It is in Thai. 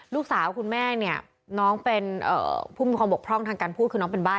คุณแม่เนี่ยน้องเป็นผู้มีความบกพร่องทางการพูดคือน้องเป็นบ้าน